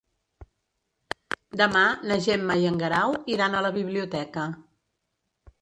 Demà na Gemma i en Guerau iran a la biblioteca.